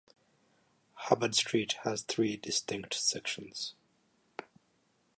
Hubbard Street has three distinct sections.